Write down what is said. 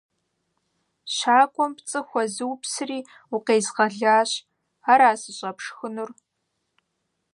- Щакӏуэм пцӏы хуэзупсри, укъезгъэлащ. Ара сыщӏэпшхынур?